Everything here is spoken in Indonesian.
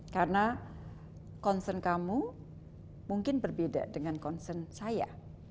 karena concern kamu mungkin berbeda dengan concern saya